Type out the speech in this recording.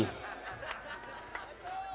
kita yang bekerja keras untuk merebut kemerdekaan